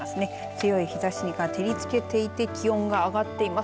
強い日ざしが照りつけていて気温が上がっています。